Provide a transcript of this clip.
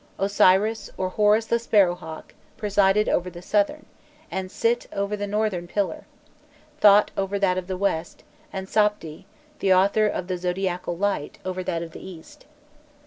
Osiris, or Horus the sparrow hawk, presided over the southern, and Sit over the northern pillar; Thot over that of the west, and Sapdi, the author of the zodiacal light, over that of the east.